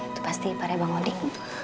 itu pasti para bang oding